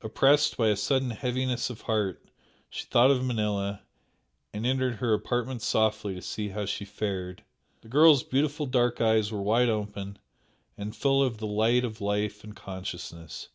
Oppressed by a sudden heaviness of heart she thought of Manella, and entered her apartment softly to see how she fared. The girl's beautiful dark eyes were wide open and full of the light of life and consciousness.